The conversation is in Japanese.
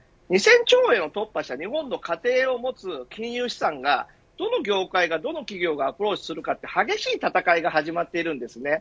２０００兆円を突破した日本の家庭の持つ金融資産がどの業界がどの企業がアプローチするかという激しい戦いが始まっています。